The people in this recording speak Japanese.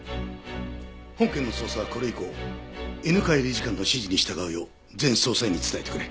本件の捜査はこれ以降犬飼理事官の指示に従うよう全捜査員に伝えてくれ。